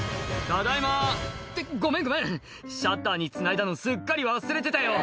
ごめんごめんシャッターにつないだのすっかり忘れてたよ」